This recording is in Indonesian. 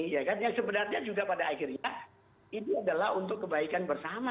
ya kan yang sebenarnya juga pada akhirnya ini adalah untuk kebaikan bersama